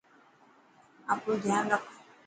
آپرو ڌيان رک.